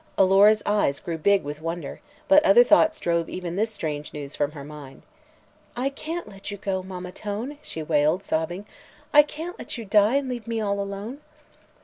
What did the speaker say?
Alora's eyes grew big with wonder, but other thoughts drove even this strange news from her mind. "I can't let you go, Mamma Tone," she wailed, sobbing; "I can't let you die and leave me all alone!"